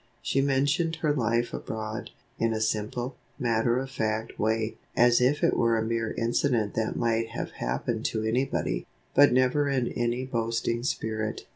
She mentioned her life abroad, in a simple, matter of fact way (as if it were a mere incident that might have happened to anybody), but never in any boasting spirit.